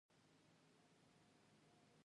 د نفت او ګاز شرکت تیل واردوي